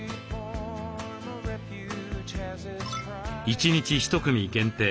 １日１組限定